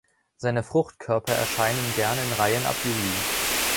Seine Fruchtkörper erscheinen gern in Reihen ab Juli.